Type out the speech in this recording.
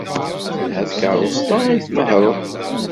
Telha tkeṛṛust-a ay la tnehhṛeḍ.